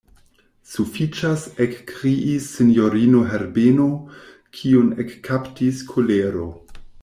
Sufiĉas, ekkriis sinjorino Herbeno, kiun ekkaptis kolero.